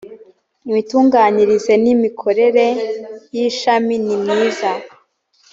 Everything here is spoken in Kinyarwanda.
imitunganganyirize imiterere n imikorere y ishami nimyiza